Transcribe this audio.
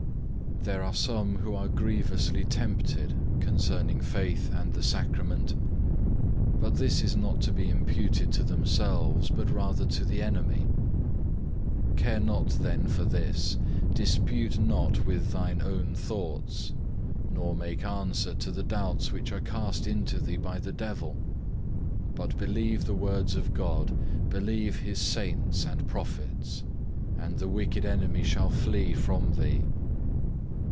3. There are some who are grievously tempted concerning faith and the Sacrament; but this is not to be imputed to themselves but rather to the enemy. Care not then for this, dispute not with thine own thoughts, nor make answer to the doubts which are cast into thee by the devil; but believe the words of God, believe His Saints and Prophets, and the wicked enemy shall flee from thee.